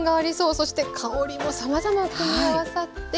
そして香りもさまざま組み合わさっています。